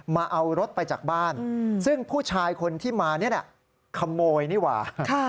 มาเอารถไปจากบ้านซึ่งผู้ชายคนที่มานี่แหละขโมยนี่หว่า